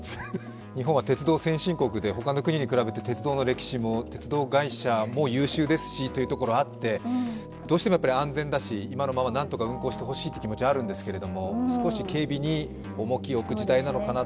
日本は鉄道先進国で、ほかの国に比べて鉄道の歴史も鉄道会社も優秀ですしというところがあってどうしても安全だし、今のまま何とか運行してほしいという気持ちがあるんですけれども、少し警備に重きを置く時代なのかなと。